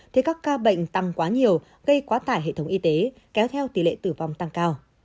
thì các ca bệnh tăng quá nhiều gây quá tải hệ thống y tế kéo theo tỷ lệ tử vong tăng cao